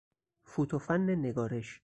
فوت و فن نگارش